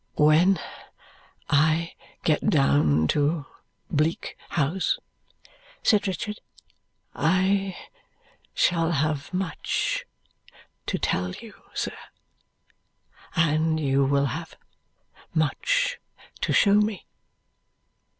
"When I get down to Bleak House," said Richard, "I shall have much to tell you, sir, and you will have much to show me.